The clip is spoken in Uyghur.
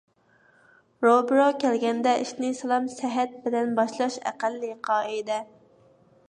روبىرو كەلگەندە ئىشنى سالام - سەھەت بىلەن باشلاش ئەقەللىي قائىدە.